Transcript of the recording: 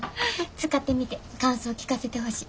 使ってみて感想聞かせてほしい。